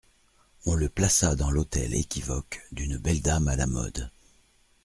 On le plaça dans l'hôtel équivoque d'une belle dame à la mode.